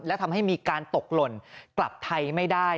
และทำให้มีการตกหล่นกลับไทยไม่ได้